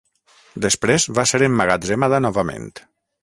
Després, va ser emmagatzemada novament.